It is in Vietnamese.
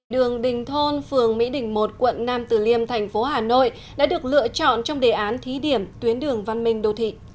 đường đình thôn phường mỹ đình một quận nam từ liêm thành phố hà nội đã được lựa chọn trong đề án thí điểm tuyến đường văn minh đô thị